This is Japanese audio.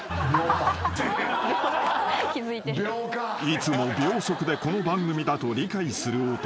［いつも秒速でこの番組だと理解する男］